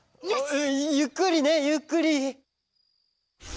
えゆっくりねゆっくり。